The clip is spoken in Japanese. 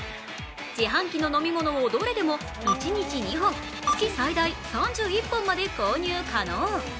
自販機の飲み物を、どれでも一日２本、月最大３１本まで購入可能。